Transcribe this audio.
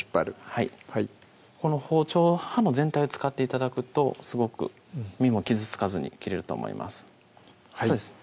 はいこの包丁刃の全体を使って頂くとすごく身も傷つかずに切れると思いますそうです